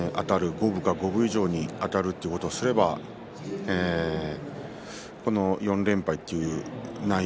五分か五分以上にあたるということをすればこの４連敗という内容